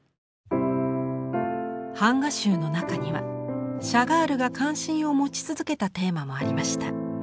版画集の中にはシャガールが関心を持ち続けたテーマもありました。